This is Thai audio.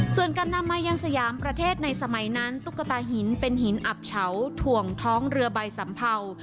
ส่วนการนำมายังสยามประเทศในสมัยนั้นตุ๊กตาหินเป็นหินอับเฉาถ่วงท้องเรือใบสัมเภา